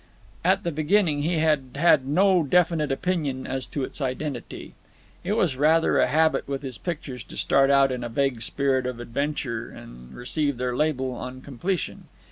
At the beginning he had had no definite opinion as to its identity. It was rather a habit with his pictures to start out in a vague spirit of adventure and receive their label on completion.